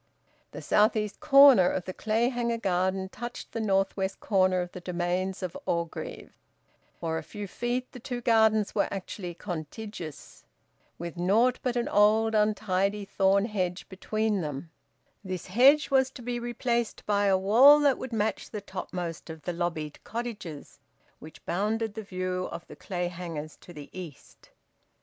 The south east corner of the Clayhanger garden touched the north west corner of the domains of Orgreave; for a few feet the two gardens were actually contiguous, with naught but an old untidy thorn hedge between them; this hedge was to be replaced by a wall that would match the topmost of the lobbied cottages which bounded the view of the Clayhangers to the east.